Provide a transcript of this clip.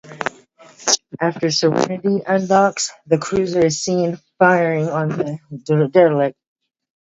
After "Serenity" undocks, the cruiser is seen firing on the derelict.